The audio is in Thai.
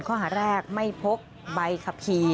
ข้อหาแรกไม่พกใบขับขี่